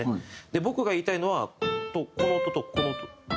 僕が言いたいのはここの音とここの音。